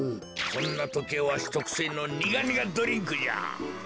そんなときはわしとくせいのニガニガドリンクじゃ！